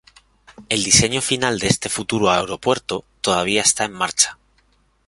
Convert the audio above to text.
El diseño final de este futuro aeropuerto todavía está en marcha.